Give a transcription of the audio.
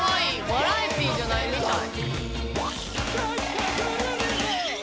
バラエティーじゃないみたい」